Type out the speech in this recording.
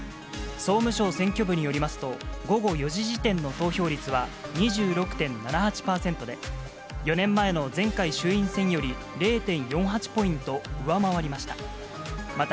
総務省選挙部によりますと、午後４時時点の投票率は２６．７８％で、４年前の前回衆院選より０．４８ポイント上回りました。